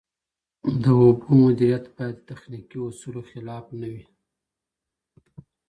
د اوبو مدیریت باید د تخنیکي اصولو خلاف نه وي.